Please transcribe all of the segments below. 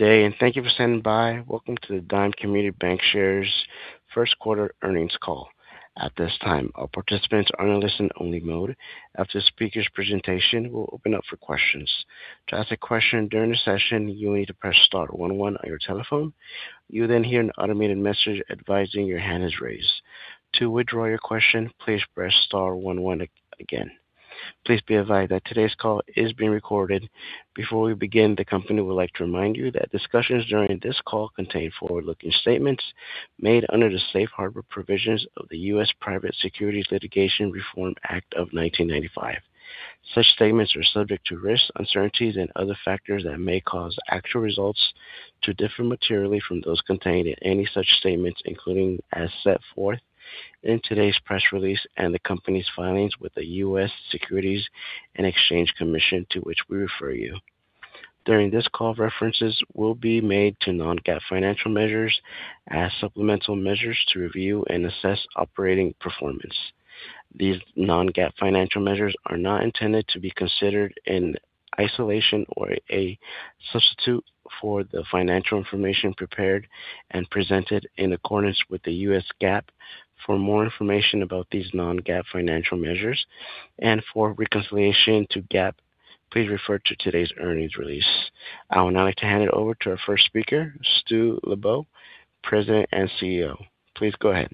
Good day, and thank you for standing by. Welcome to the Dime Community Bancshares first quarter earnings call. At this time, all participants are in a listen-only mode. After the speaker's presentation, we'll open up for questions. To ask a question during the session, you will need to press star one one on your telephone. You'll then hear an automated message advising your hand is raised. To withdraw your question, please press star one one again. Please be advised that today's call is being recorded. Before we begin, the company would like to remind you that discussions during this call contain forward-looking statements made under the Safe Harbor Provisions of the U.S. Private Securities Litigation Reform Act of 1995. Such statements are subject to risks, uncertainties and other factors that may cause actual results to differ materially from those contained in any such statements, including as set forth in today's press release and the company's filings with the U.S. Securities and Exchange Commission, to which we refer you. During this call, references will be made to non-GAAP financial measures as supplemental measures to review and assess operating performance. These non-GAAP financial measures are not intended to be considered in isolation or a substitute for the financial information prepared and presented in accordance with U.S. GAAP. For more information about these non-GAAP financial measures and for reconciliation to GAAP, please refer to today's earnings release. I would now like to hand it over to our first speaker, Stuart Lubow, President and CEO. Please go ahead.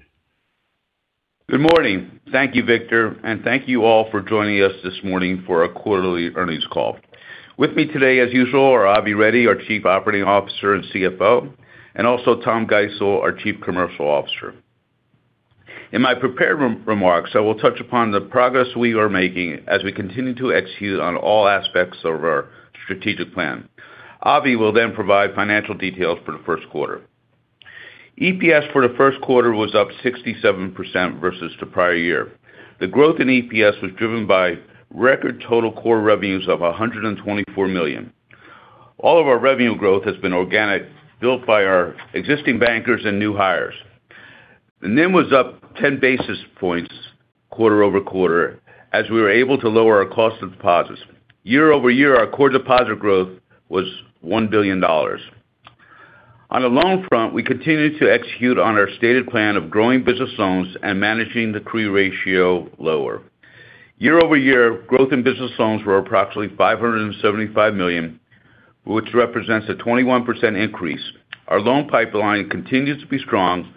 Good morning. Thank you, Victor, and thank you all for joining us this morning for our quarterly earnings call. With me today, as usual, are Avi Reddy, our Chief Operating Officer and CFO, and also Tom Geisel, our Chief Commercial Officer. In my prepared remarks, I will touch upon the progress we are making as we continue to execute on all aspects of our strategic plan. Avi will then provide financial details for the first quarter. EPS for the first quarter was up 67% versus the prior year. The growth in EPS was driven by record total core revenues of $124 million. All of our revenue growth has been organic, built by our existing bankers and new hires. The NIM was up 10 basis points quarter-over-quarter as we were able to lower our cost of deposits. Year-over-year, our core deposit growth was $1 billion. On the loan front, we continued to execute on our stated plan of growing business loans and managing the CRE ratio lower. Year-over-year, growth in business loans were approximately $575 million, which represents a 21% increase. Our loan pipeline continues to be strong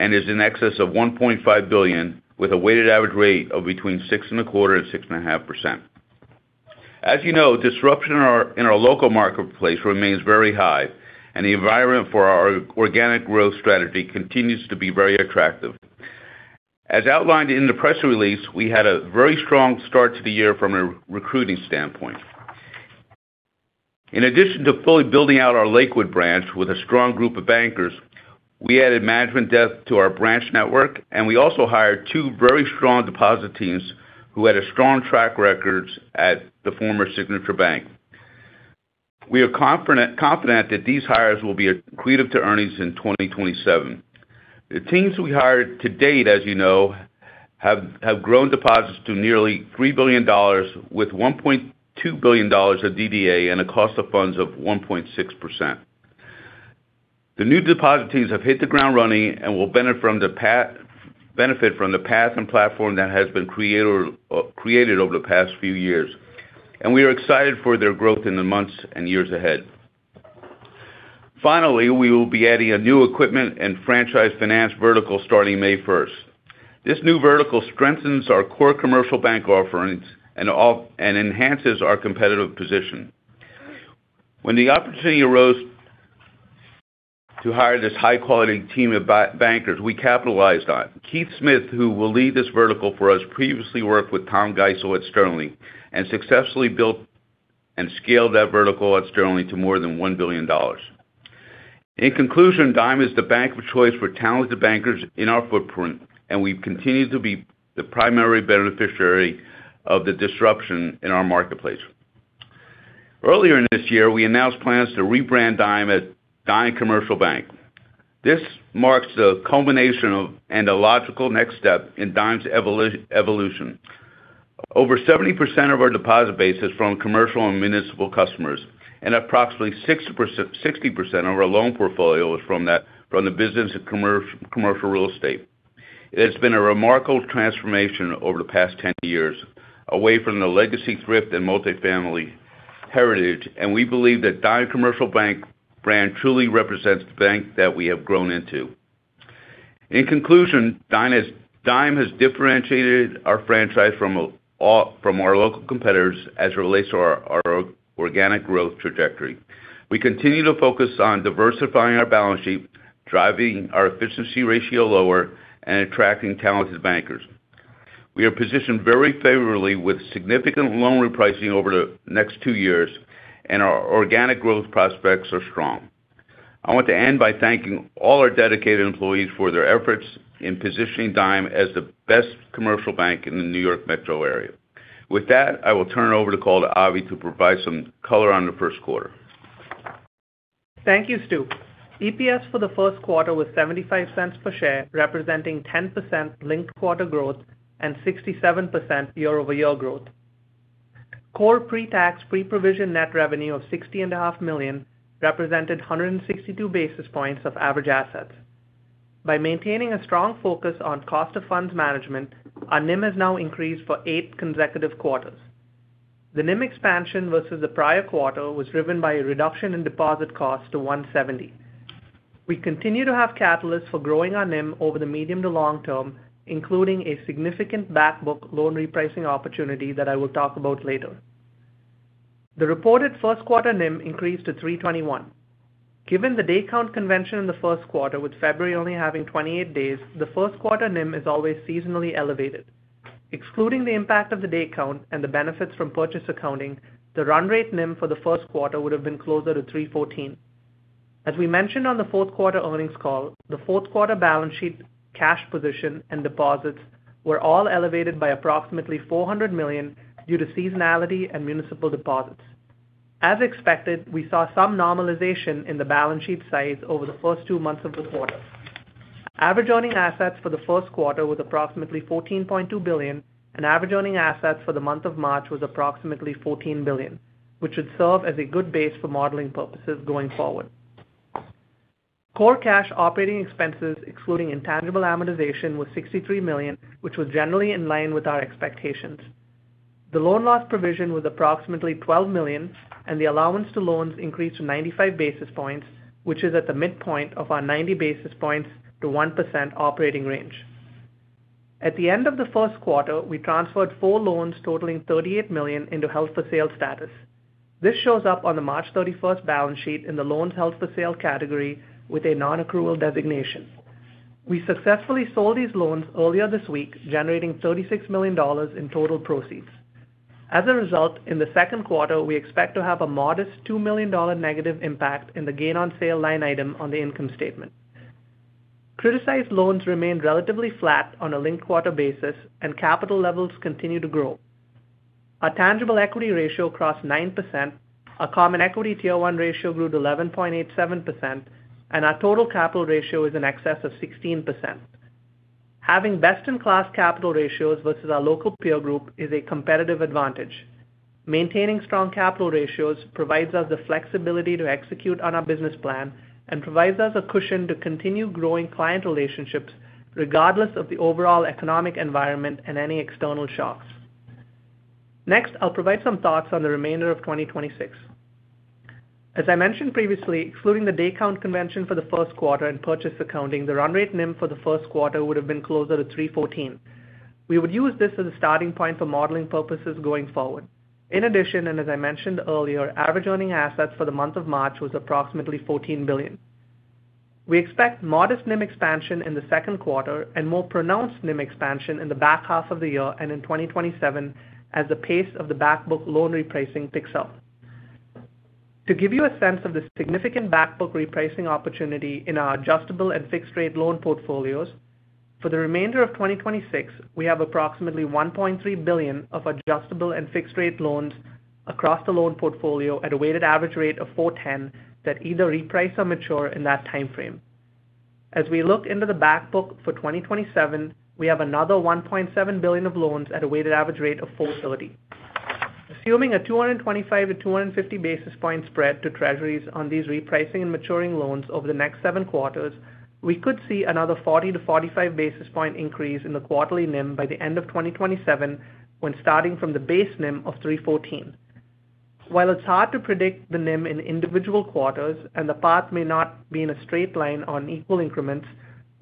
and is in excess of $1.5 billion, with a weighted average rate of between 6.25% and 6.5%. As you know, disruption in our local marketplace remains very high, and the environment for our organic growth strategy continues to be very attractive. As outlined in the press release, we had a very strong start to the year from a recruiting standpoint. In addition to fully building out our Lakewood branch with a strong group of bankers, we added management depth to our branch network, and we also hired two very strong deposit teams who had strong track records at the former Signature Bank. We are confident that these hires will be accretive to earnings in 2027. The teams we hired to date, as you know, have grown deposits to nearly $3 billion, with $1.2 billion of DDA and a cost of funds of 1.6%. The new deposit teams have hit the ground running and will benefit from the path and platform that has been created over the past few years. We are excited for their growth in the months and years ahead. Finally, we will be adding a new equipment and franchise finance vertical starting May 1st. This new vertical strengthens our core commercial bank offerings and enhances our competitive position. When the opportunity arose to hire this high-quality team of bankers, we capitalized on it. Keith Smith, who will lead this vertical for us, previously worked with Tom Geisel at Sterling and successfully built and scaled that vertical at Sterling to more than $1 billion. In conclusion, Dime is the bank of choice for talented bankers in our footprint, and we continue to be the primary beneficiary of the disruption in our marketplace. Earlier this year, we announced plans to rebrand Dime as Dime Commercial Bank. This marks the culmination of and a logical next step in Dime's evolution. Over 70% of our deposit base is from commercial and municipal customers, and approximately 60% of our loan portfolio is from the business of commercial real estate. It has been a remarkable transformation over the past 10 years away from the legacy thrift and multifamily heritage, and we believe the Dime Commercial Bank brand truly represents the bank that we have grown into. In conclusion, Dime has differentiated our franchise from our local competitors as it relates to our organic growth trajectory. We continue to focus on diversifying our balance sheet, driving our efficiency ratio lower and attracting talented bankers. We are positioned very favorably with significant loan repricing over the next two years, and our organic growth prospects are strong. I want to end by thanking all our dedicated employees for their efforts in positioning Dime as the best commercial bank in the New York metro area. With that, I will turn over the call to Avi to provide some color on the first quarter. Thank you, Stuart. EPS for the first quarter was $0.75 per share, representing 10% linked-quarter growth and 67% year-over-year growth. Core pre-tax, pre-provision net revenue of $60.5 million represented 162 basis points of average assets. By maintaining a strong focus on cost of funds management, our NIM has now increased for eight consecutive quarters. The NIM expansion versus the prior quarter was driven by a reduction in deposit costs to 170. We continue to have catalysts for growing our NIM over the medium to long term, including a significant back book loan repricing opportunity that I will talk about later. The reported first quarter NIM increased to 321. Given the day count convention in the first quarter, with February only having 28 days, the first quarter NIM is always seasonally elevated. Excluding the impact of the day count and the benefits from purchase accounting, the run rate NIM for the first quarter would have been closer to 314. As we mentioned on the fourth quarter earnings call, the fourth quarter balance sheet cash position and deposits were all elevated by approximately $400 million due to seasonality and municipal deposits. As expected, we saw some normalization in the balance sheet size over the first two months of the quarter. Average earning assets for the first quarter was approximately $14.2 billion, and average earning assets for the month of March was approximately $14 billion, which should serve as a good base for modeling purposes going forward. Core cash operating expenses, excluding intangible amortization, was $63 million, which was generally in line with our expectations. The loan loss provision was approximately $12 million, and the allowance to loans increased to 95 basis points, which is at the midpoint of our 90 basis points to 1% operating range. At the end of the first quarter, we transferred four loans totaling $38 million into held for sale status. This shows up on the March 31st balance sheet in the loans held for sale category with a non-accrual designation. We successfully sold these loans earlier this week, generating $36 million in total proceeds. As a result, in the second quarter, we expect to have a modest $2 million negative impact in the gain on sale line item on the income statement. Criticized loans remained relatively flat on a linked quarter basis, and capital levels continue to grow. Our tangible equity ratio crossed 9%, our Common Equity Tier 1 ratio grew to 11.87%, and our total capital ratio is in excess of 16%. Having best-in-class capital ratios versus our local peer group is a competitive advantage. Maintaining strong capital ratios provides us the flexibility to execute on our business plan and provides us a cushion to continue growing client relationships regardless of the overall economic environment and any external shocks. Next, I'll provide some thoughts on the remainder of 2026. As I mentioned previously, excluding the day count convention for the first quarter and purchase accounting, the run rate NIM for the first quarter would have been closer to 314. We would use this as a starting point for modeling purposes going forward. In addition, and as I mentioned earlier, average earning assets for the month of March was approximately $14 billion. We expect modest NIM expansion in the second quarter and more pronounced NIM expansion in the back half of the year and in 2027 as the pace of the back book loan repricing picks up. To give you a sense of the significant back book repricing opportunity in our adjustable and fixed-rate loan portfolios, for the remainder of 2026, we have approximately $1.3 billion of adjustable and fixed-rate loans across the loan portfolio at a weighted average rate of 4.10 that either reprice or mature in that time frame. As we look into the back book for 2027, we have another $1.7 billion of loans at a weighted average rate of 4.30. Assuming a 225-250 basis point spread to treasuries on these repricing and maturing loans over the next seven quarters, we could see another 40-45 basis point increase in the quarterly NIM by the end of 2027 when starting from the base NIM of 3.14. While it's hard to predict the NIM in individual quarters and the path may not be in a straight line on equal increments,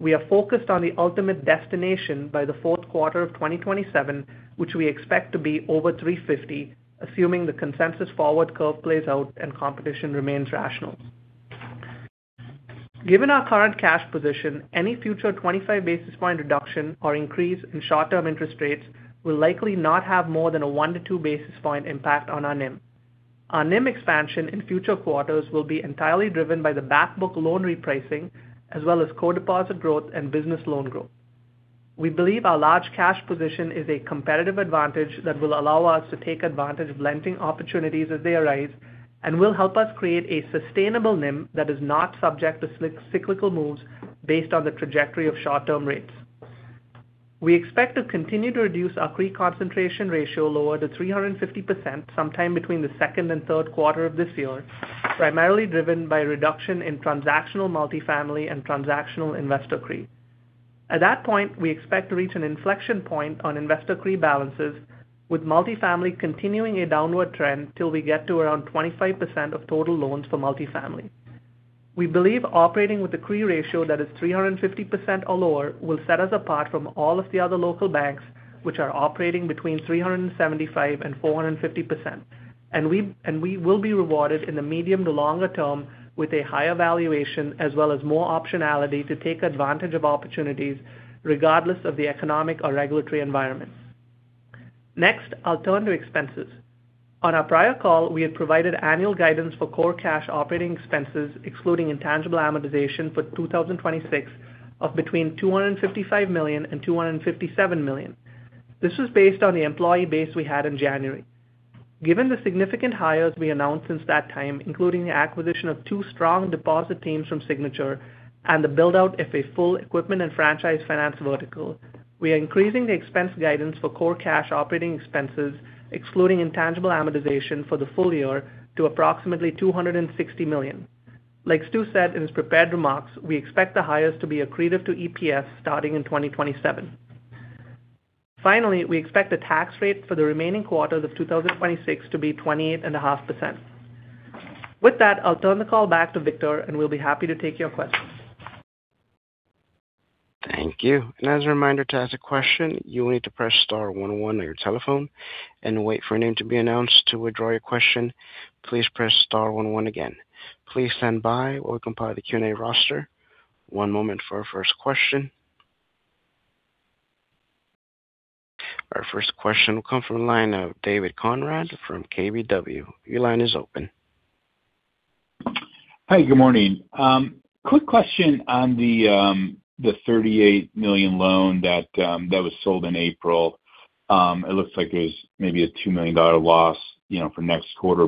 we are focused on the ultimate destination by the fourth quarter of 2027, which we expect to be over 350, assuming the consensus forward curve plays out and competition remains rational. Given our current cash position, any future 25 basis point reduction or increase in short-term interest rates will likely not have more than a 1-2 basis point impact on our NIM. Our NIM expansion in future quarters will be entirely driven by the back book loan repricing as well as core deposit growth and business loan growth. We believe our large cash position is a competitive advantage that will allow us to take advantage of lending opportunities as they arise and will help us create a sustainable NIM that is not subject to cyclical moves based on the trajectory of short-term rates. We expect to continue to reduce our CRE concentration ratio lower to 350% sometime between the second and third quarter of this year, primarily driven by reduction in transactional multifamily and transactional investor CRE. At that point, we expect to reach an inflection point on investor CRE balances, with multifamily continuing a downward trend till we get to around 25% of total loans for multifamily. We believe operating with a CRE ratio that is 350% or lower will set us apart from all of the other local banks which are operating between 375%-450%. We will be rewarded in the medium to longer term with a higher valuation as well as more optionality to take advantage of opportunities regardless of the economic or regulatory environment. Next, I'll turn to expenses. On our prior call, we had provided annual guidance for core cash operating expenses, excluding intangible amortization for 2026 of between $255 million and $257 million. This was based on the employee base we had in January. Given the significant hires we announced since that time, including the acquisition of two strong deposit teams from Signature and the build-out of a full equipment and franchise finance vertical, we are increasing the expense guidance for core cash operating expenses, excluding intangible amortization for the full year to approximately $260 million. Like Stuart said in his prepared remarks, we expect the hires to be accretive to EPS starting in 2027. Finally, we expect the tax rate for the remaining quarters of 2026 to be 28.5%. With that, I'll turn the call back to Victor, and we'll be happy to take your questions. Thank you. As a reminder to ask a question, you will need to press star one one on your telephone and wait for a name to be announced. To withdraw your question, please press star one one again. Please stand by while we compile the Q&A roster. One moment for our first question. Our first question will come from the line of David Konrad from KBW. Your line is open. Hi, good morning. Quick question on the $38 million loan that was sold in April. It looks like it was maybe a $2 million loss for next quarter.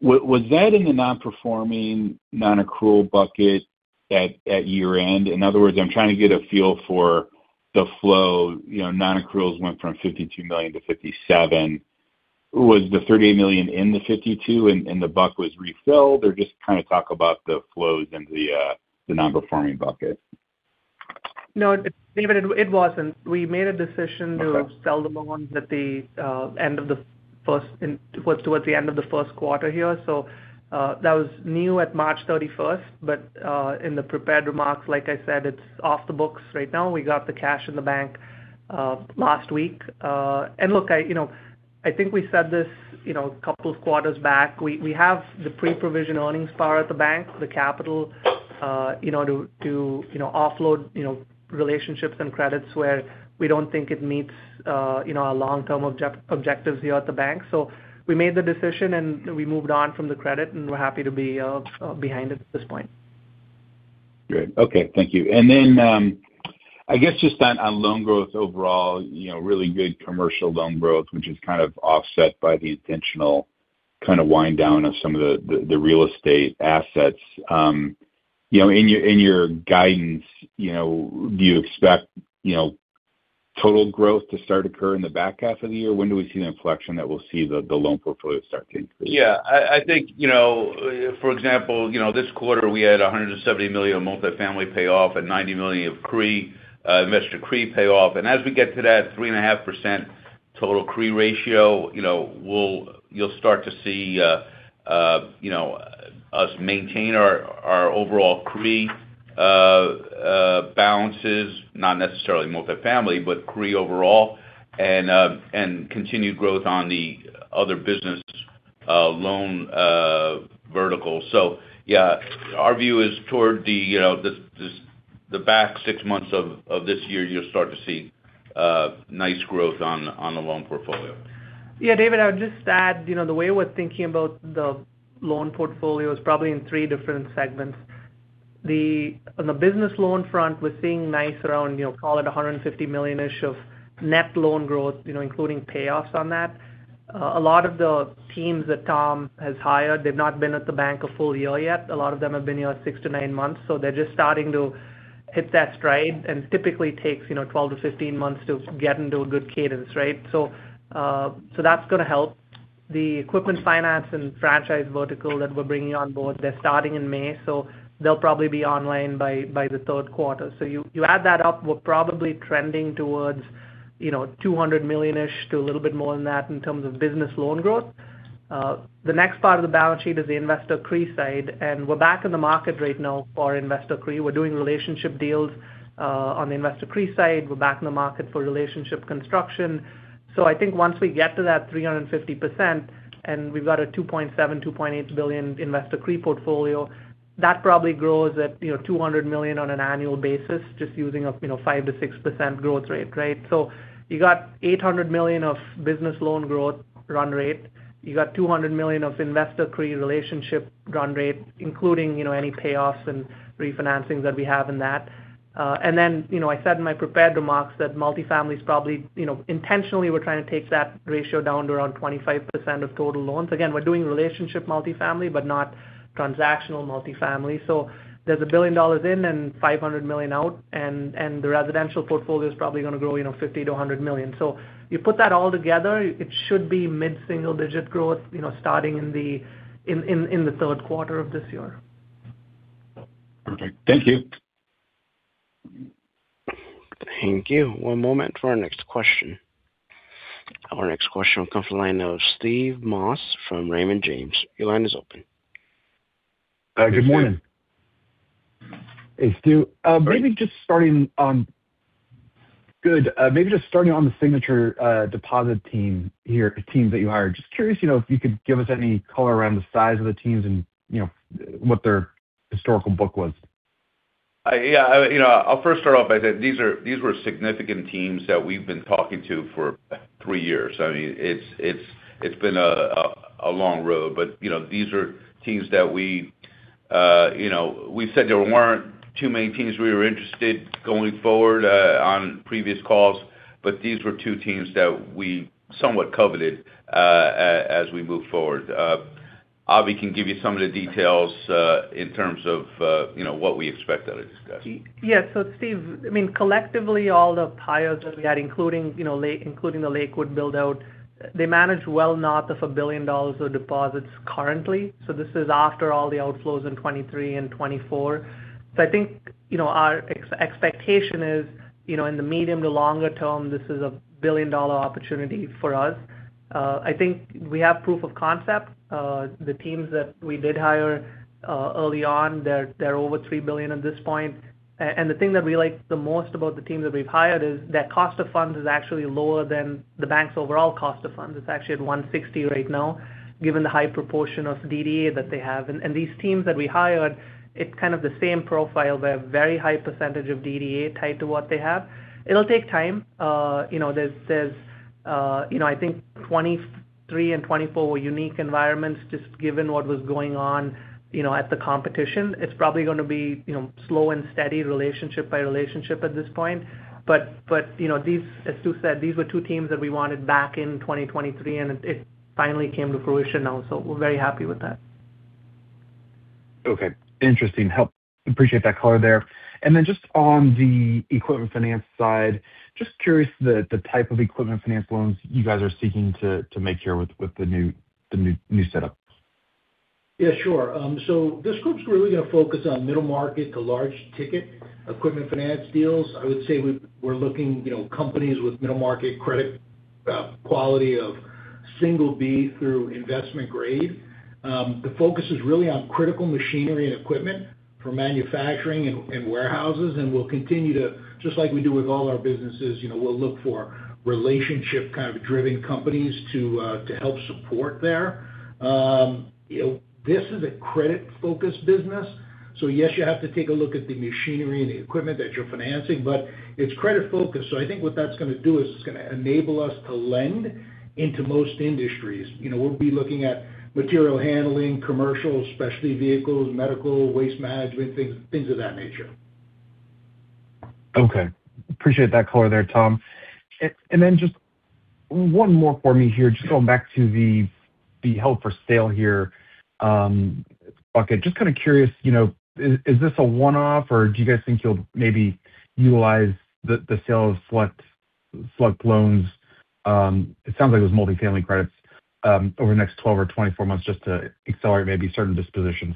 Was that in the non-performing non-accrual bucket at year-end? In other words, I'm trying to get a feel for the flow. Non-accruals went from $52 million-$57 million. Was the $38 million in the $52 million and the bucket was refilled? Or just kind of talk about the flows in the non-performing bucket. No, David, it wasn't. We made a decision- to sell the loans towards the end of the first quarter here. That was new at March 31st. In the prepared remarks, like I said, it's off the books right now, and we got the cash in the bank last week. Look, I think we said this a couple of quarters back. We have the pre-provision earnings power at the bank, the capital to offload relationships and credits where we don't think it meets our long-term objectives here at the bank. We made the decision, and we moved on from the credit, and we're happy to be behind it at this point. Great. Okay. Thank you. I guess just on loan growth overall, really good commercial loan growth, which is kind of offset by the intentional kind of wind down of some of the real estate assets. In your guidance, do you expect total growth to start occur in the back half of the year? When do we see the inflection that we'll see the loan portfolio start to increase? Yeah, I think, for example this quarter we had $170 million of multifamily payoff and $90 million of investor CRE payoff. As we get to that 3.5% total CRE ratio, you'll start to see us maintain our overall CRE balances, not necessarily multifamily, but CRE overall and continued growth on the other business loan vertical. Yeah, our view is toward the back six months of this year, you'll start to see nice growth on the loan portfolio. Yeah, David, I would just add the way we're thinking about the loan portfolio is probably in three different segments. On the business loan front, we're seeing nice around call it $150 million-ish of net loan growth including payoffs on that. A lot of the teams that Tom has hired, they've not been at the bank a full year yet. A lot of them have been here six to nine months. They're just starting to hit that stride and it typically takes 12 months-15 months to get into a good cadence, right? That's going to help. The equipment finance and franchise vertical that we're bringing on board, they're starting in May, so they'll probably be online by the third quarter. You add that up, we're probably trending towards $200 million-ish to a little bit more than that in terms of business loan growth. The next part of the balance sheet is the investor CRE side, and we're back in the market right now for investor CRE. We're doing relationship deals on the investor CRE side. We're back in the market for relationship construction. I think once we get to that 350% and we've got a $2.7 billion-$2.8 billion investor CRE portfolio, that probably grows at $200 million on an annual basis, just using a 5%-6% growth rate, right? You got $800 million of business loan growth run rate. You got $200 million of investor CRE relationship run rate, including any payoffs and refinancings that we have in that. Then I said in my prepared remarks that multifamily is probably intentionally we're trying to take that ratio down to around 25% of total loans. Again, we're doing relationship multifamily but not transactional multifamily. There's $1 billion in and $500 million out, and the residential portfolio is probably going to grow $50 million-$100 million. You put that all together, it should be mid-single-digit growth starting in the third quarter of this year. Perfect. Thank you. Thank you. One moment for our next question. Our next question will come from the line of Steve Moss from Raymond James. Your line is open. Good morning. Hey, Steve. Hey, Stuart. Right. Maybe just starting on the Signature deposit teams that you hired. Just curious if you could give us any color around the size of the teams and what their historical book was. Yeah. I'll first start off by saying these were significant teams that we've been talking to for three years. It's been a long road. These are teams that we We said there weren't too many teams we were interested going forward on previous calls, but these were two teams that we somewhat coveted as we move forward. Avi can give you some of the details in terms of what we expect out of discussions. Yes. Steve, collectively, all the hires that we had, including the Lakewood build-out, they manage well north of $1 billion of deposits currently. This is after all the outflows in 2023 and 2024. I think, our expectation is, in the medium to longer term, this is a billion-dollar opportunity for us. I think we have proof of concept. The teams that we did hire early on, they're over $3 billion at this point. The thing that we like the most about the teams that we've hired is that cost of funds is actually lower than the bank's overall cost of funds. It's actually at 160 right now, given the high proportion of DDA that they have. These teams that we hired, it's kind of the same profile. They have a very high percentage of DDA tied to what they have. It'll take time. I think 2023 and 2024 were unique environments just given what was going on at the competition. It's probably going to be slow and steady relationship by relationship at this point. As Stu said, these were two teams that we wanted back in 2023, and it finally came to fruition now. We're very happy with that. Okay. Interesting. Appreciate that color there. Just on the equipment finance side, just curious the type of equipment finance loans you guys are seeking to make here with the new setup? Yeah, sure. This group's really going to focus on middle market to large-ticket equipment finance deals. I would say we're looking for companies with middle market credit quality of single B through investment grade. The focus is really on critical machinery and equipment for manufacturing and warehouses, and we'll continue to, just like we do with all our businesses, we'll look for relationship-driven companies to help support their. This is a credit-focused business. Yes, you have to take a look at the machinery and the equipment that you're financing, but it's credit-focused. I think what that's going to do is it's going to enable us to lend into most industries. We'll be looking at material handling, commercial, specialty vehicles, medical, waste management, things of that nature. Okay. I appreciate that color there, Tom. Just one more for me here. Just going back to the held for sale here bucket. Just curious, is this a one-off, or do you guys think you'll maybe utilize the sale of select loans, it sounds like it was multifamily credits, over the next 12 months-24 months just to accelerate maybe certain dispositions?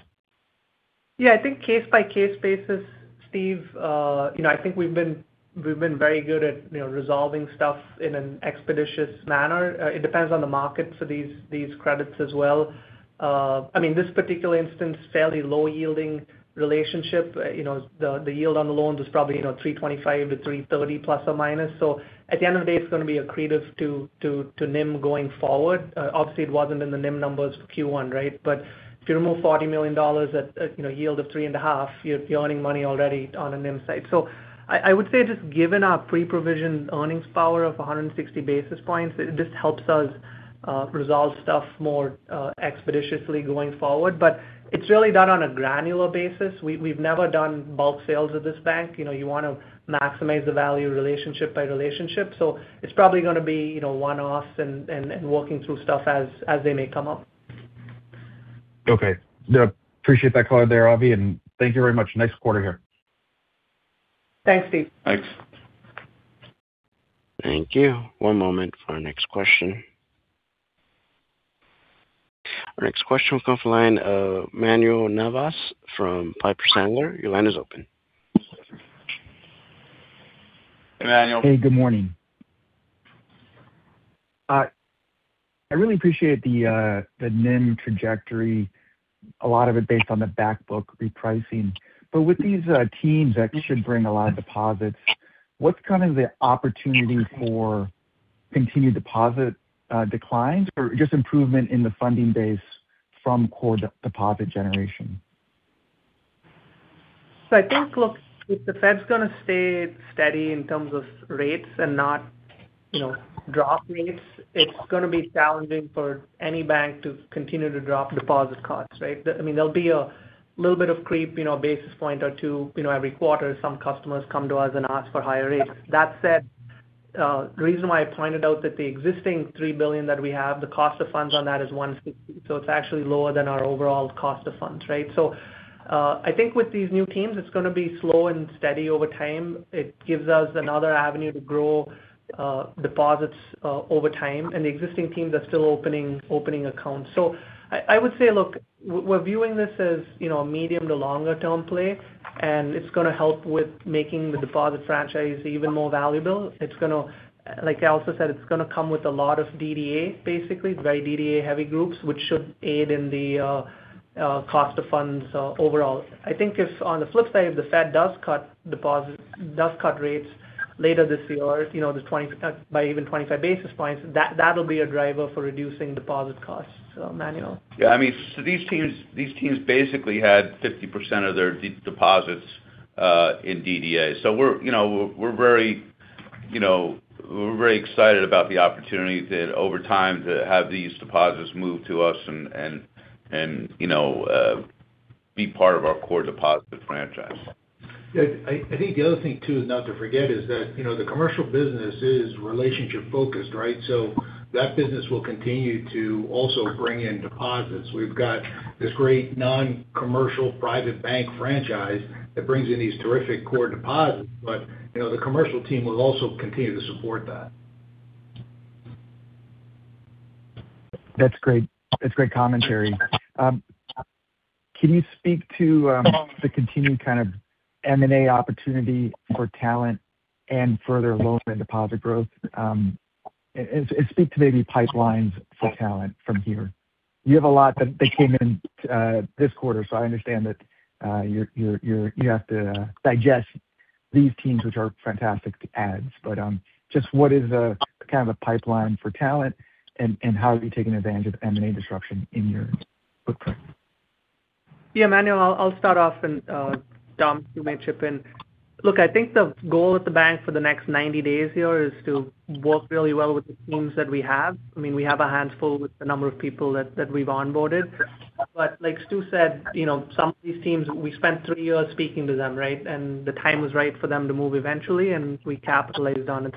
Yeah, I think case-by-case basis, Steve. I think we've been very good at resolving stuff in an expeditious manner. It depends on the market for these credits as well. This particular instance, fairly low-yielding relationship. The yield on the loans was probably 325-330 ±. So at the end of the day, it's going to be accretive to NIM going forward. Obviously, it wasn't in the NIM numbers for Q1, right? But if you remove $40 million at a yield of 3.5, you're earning money already on a NIM side. I would say just given our pre-provision earnings power of 160 basis points, it just helps us resolve stuff more expeditiously going forward. But it's really done on a granular basis. We've never done bulk sales at this bank. You want to maximize the value relationship by relationship. It's probably going to be one-offs and working through stuff as they may come up. Okay. Appreciate that color there, Avi, and thank you very much. Nice quarter here. Thanks, Steve. Thanks. Thank you. One moment for our next question. Our next question will come from the line of Manuel Navas from Piper Sandler. Your line is open. Manuel. Hey, good morning. I really appreciate the NIM trajectory, a lot of it based on the back book repricing. With these teams that should bring a lot of deposits, what's the opportunity for continued deposit declines or just improvement in the funding base from core deposit generation? I think, look, if the Fed's going to stay steady in terms of rates and not drop rates, it's going to be challenging for any bank to continue to drop deposit costs, right? There'll be a little bit of creep, a basis point or two every quarter. Some customers come to us and ask for higher rates. That said, the reason why I pointed out that the existing $3 billion that we have, the cost of funds on that is 150. It's actually lower than our overall cost of funds, right? I think with these new teams, it's going to be slow and steady over time. It gives us another avenue to grow deposits over time, and the existing teams are still opening accounts. I would say, look, we're viewing this as a medium to longer-term play, and it's going to help with making the deposit franchise even more valuable. Like I also said, it's going to come with a lot of DDA, basically. Very DDA-heavy groups, which should aid in the cost of funds overall. I think if on the flip side, if the Fed does cut rates later this year by even 25 basis points, that'll be a driver for reducing deposit costs, Manuel. Yeah. These teams basically had 50% of their deposits in DDA. We're very We're very excited about the opportunity that over time to have these deposits move to us and be part of our core deposit franchise. I think the other thing too, not to forget, is that the commercial business is relationship-focused, right? That business will continue to also bring in deposits. We've got this great non-commercial private bank franchise that brings in these terrific core deposits. The commercial team will also continue to support that. That's great commentary. Can you speak to the continued kind of M&A opportunity for talent and further loan and deposit growth? Speak to maybe pipelines for talent from here. You have a lot that came in this quarter, so I understand that you have to digest these teams, which are fantastic adds. Just what is the kind of pipeline for talent, and how have you taken advantage of M&A disruption in your footprint? Yeah, Manuel, I'll start off and, Tom, you may chip in. Look, I think the goal at the bank for the next 90 days here is to work really well with the teams that we have. I mean, we have a handful with the number of people that we've onboarded. But like Stuart said, some of these teams, we spent three years speaking to them, right? The time was right for them to move eventually, and we capitalized on it.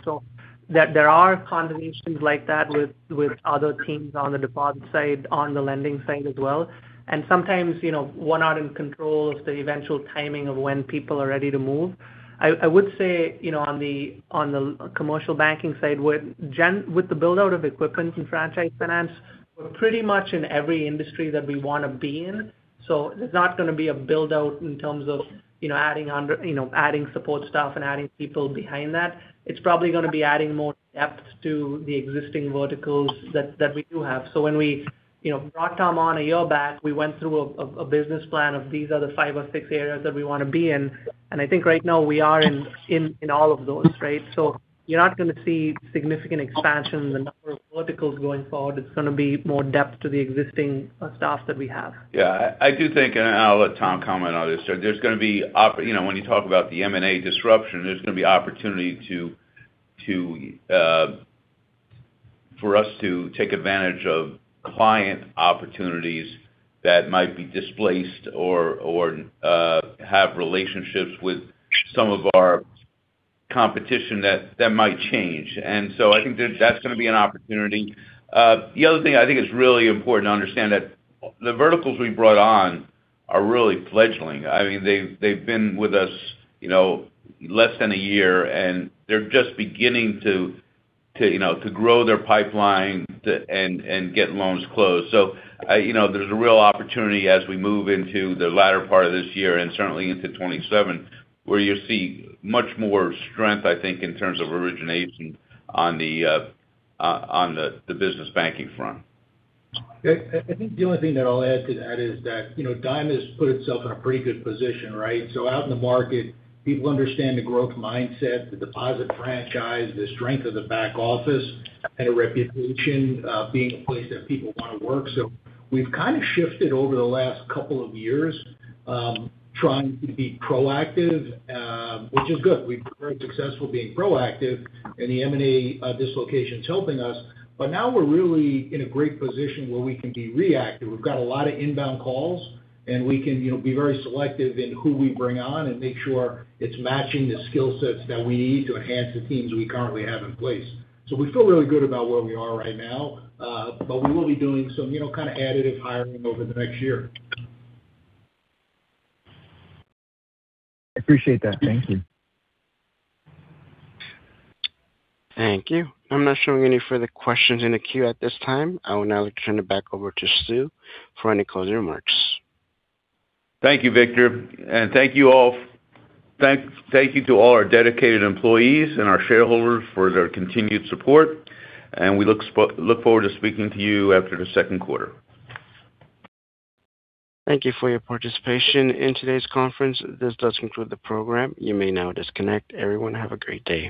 There are conversations like that with other teams on the deposit side, on the lending side as well, and sometimes one not in control of the eventual timing of when people are ready to move. I would say, on the commercial banking side, with the build-out of equipment and franchise finance, we're pretty much in every industry that we want to be in. There's not going to be a build-out in terms of adding support staff and adding people behind that. It's probably going to be adding more depth to the existing verticals that we do have. When we brought Tom on a year back, we went through a business plan of these are the five or six areas that we want to be in. I think right now we are in all of those, right? You're not going to see significant expansion in the number of verticals going forward. It's going to be more depth to the existing staff that we have. Yeah. I do think, and I'll let Tom comment on this, there's going to be, when you talk about the M&A disruption, there's going to be opportunity for us to take advantage of client opportunities that might be displaced or have relationships with some of our competition that might change. I think that's going to be an opportunity. The other thing I think is really important to understand that the verticals we brought on are really fledgling. They've been with us less than a year, and they're just beginning to grow their pipeline and get loans closed. There's a real opportunity as we move into the latter part of this year and certainly into 2027, where you'll see much more strength, I think, in terms of origination on the business banking front. I think the only thing that I'll add to that is that Dime has put itself in a pretty good position, right? Out in the market, people understand the growth mindset, the deposit franchise, the strength of the back office, and a reputation of being a place that people want to work. We've kind of shifted over the last couple of years, trying to be proactive, which is good. We've been very successful being proactive, and the M&A dislocation is helping us. Now we're really in a great position where we can be reactive. We've got a lot of inbound calls, and we can be very selective in who we bring on and make sure it's matching the skill sets that we need to enhance the teams we currently have in place. We feel really good about where we are right now. We will be doing some kind of additive hiring over the next year. I appreciate that. Thank you. Thank you. I'm not showing any further questions in the queue at this time. I will now turn it back over to Stuart for any closing remarks. Thank you, Victor. Thank you all. Thank you to all our dedicated employees and our shareholders for their continued support, and we look forward to speaking to you after the second quarter. Thank you for your participation in today's conference. This does conclude the program. You may now disconnect. Everyone, have a great day.